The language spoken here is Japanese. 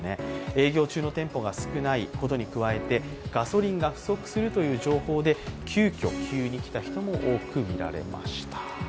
営業中の店舗が少ないことに加えてガソリンが不足するという情報で急きょ給油に来た人も多く見られました。